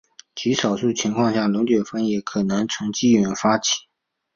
极少数情况下龙卷风也可能从积云发起。